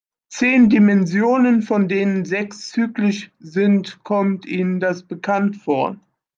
Zehn Dimensionen, von denen sechs zyklisch sind, kommt Ihnen das bekannt vor?